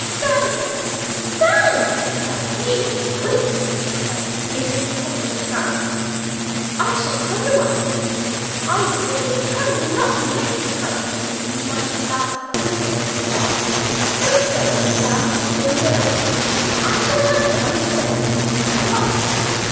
Sandpaper? Sandpaper means wastepaper in this profligate house. I shall tell your master. I really can NOT make the housekeeping money last at this rate. Don't go, Madame Pratolungo! I shall have done directly. What!